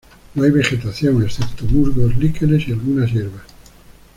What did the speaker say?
No hay vegetación, excepto musgos, líquenes y algunas hierbas.